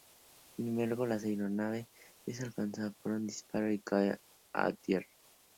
Sin embargo, la aeronave es alcanzada por un disparo y cae a tierra.